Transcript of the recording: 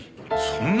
そんな！